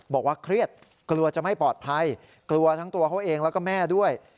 บอกว่าเครียดกลัวจะไม่ปลอดภัยกลัวทั้งตัวเขาเองแล้วก็แม่ด้วย